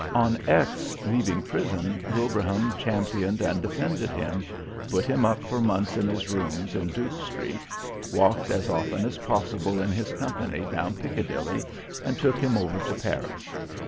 On X leaving prison Wilbraham championed and defended him, put him up for months in his rooms in Duke Street, walked as often as possible in his company down Piccadilly, and took him over to Paris.